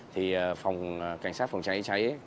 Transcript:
thì cảnh sát phòng cháy cháy